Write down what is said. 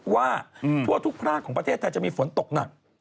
ว่าทั่วทุกภาคของประเทศไทยจะมีฝนตกหนัก